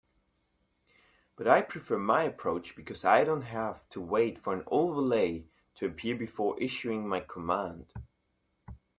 But I prefer my approach because I don't have to wait for an overlay to appear before issuing my command.